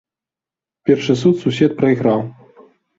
Першы суд сусед прайграў.